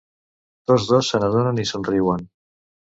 Tots dos se n'adonen i somriuen.